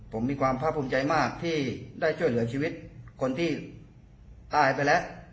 ผมมีความภาพภูมิใจมากที่ได้ช่วยเหลือชีวิตคนที่ตายไปแล้ว